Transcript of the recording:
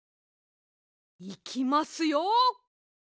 いきますよ。